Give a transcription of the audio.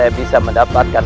ular dumung raja